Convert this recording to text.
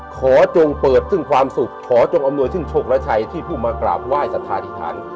จงเปิดซึ่งความสุขขอจงอำนวยซึ่งโชคละชัยที่ผู้มากราบไหว้สัทธาธิษฐาน